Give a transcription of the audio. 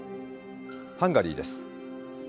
ハンガリーです。